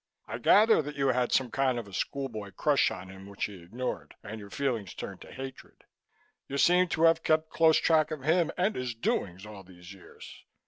I gather that you had some kind of a school boy crush on him, which he ignored, and your feelings turned to hatred. You seem to have kept close track of him and his doings all these years.